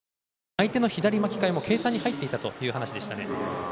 相手の左巻き替えも計算に入っていたと話していました。